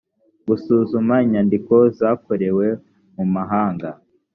gusuzuma inyandiko zakorewe mu mahanga